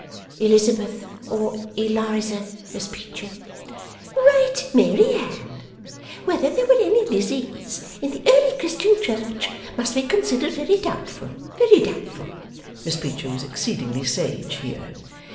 'Elizabeth, or Eliza, Miss Peecher.' 'Right, Mary Anne. Whether there were any Lizzies in the early Christian Church must be considered very doubtful, very doubtful.' Miss Peecher was exceedingly sage here.